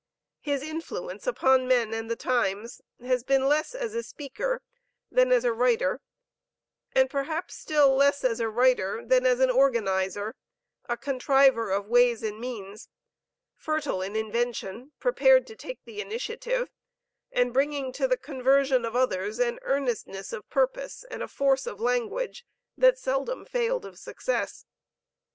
His influence upon men and the times, has been less as a speaker, than as a writer, and perhaps still less as a writer than as an organizer, a contriver of ways and means; fertile in invention, prepared to take the initiative, and bringing to the conversion of others, an earnestness of purpose and a force of language that seldom failed of success.